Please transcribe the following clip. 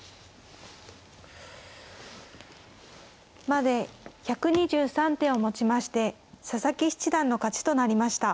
まで１２３手をもちまして佐々木七段の勝ちとなりました。